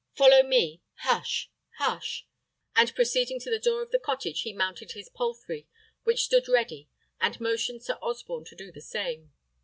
Follow me! Hush! hush!" And proceeding to the door of the cottage, he mounted his palfrey, which stood ready, and motioned Sir Osborne to do the same.